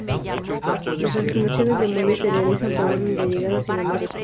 Las asignaciones de muelle se realizan por orden de llegada, sin amarres fijos.